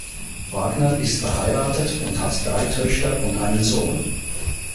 Wagner ist verheiratet und hat drei Töchter und einen Sohn.